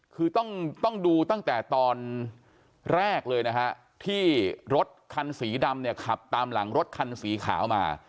คือต้องดูตั้งแต่ตอนแรกเลยนะฮะที่รถคันสีดำเนี่ยขับตามหลังรถคันสีขาวมา